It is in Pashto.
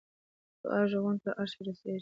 د دعا ږغونه تر عرشه رسېږي.